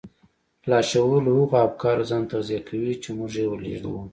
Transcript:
لاشعور له هغو افکارو ځان تغذيه کوي چې موږ يې ور لېږدوو.